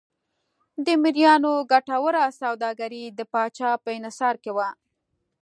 د مریانو ګټوره سوداګري د پاچا په انحصار کې وه.